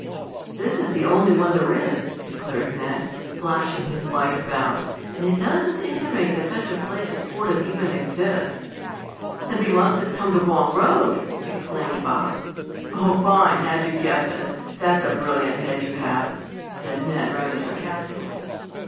"This is the only one there is," declared Ned, flashing his light about, "and it doesn't intimate that such a place as Fordham even exists." "Then we must have come the wrong road!" exclaimed Bob. "Oh, fine! How'd you guess it? That's a brilliant head you have!" said Ned, rather sarcastically.